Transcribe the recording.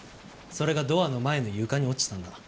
それがドアの前の床に落ちたんだ。